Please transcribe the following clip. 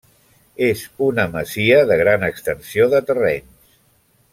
És una masia de gran extensió de terrenys.